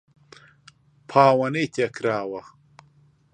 پاوانەی تێ کراوە